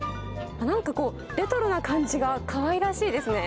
なんかこう、レトロな感じがかわいらしいですね。